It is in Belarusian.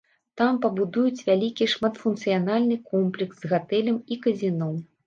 Там пабудуюць вялікі шматфункцыянальны комплекс з гатэлем і казіно.